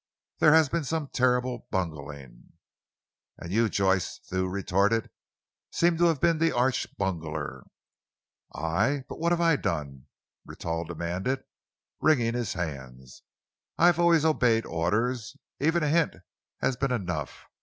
There has been some terrible bungling!" "And you," Jocelyn Thew retorted, "seem to have been the arch bungler." "I? But what have I done?" Rentoul demanded, wringing his hands. "I have always obeyed orders. Even a hint has been enough.